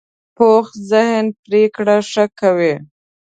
پوخ ذهن پرېکړه ښه کوي